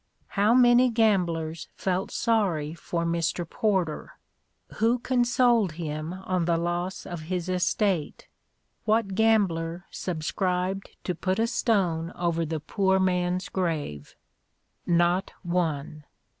How many gamblers felt sorry for Mr. Porter? Who consoled him on the loss of his estate? What gambler subscribed to put a stone over the poor man's grave? Not one!